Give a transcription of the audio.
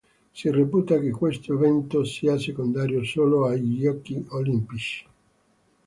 Si reputa che questo evento sia secondario solo ai Giochi olimpici.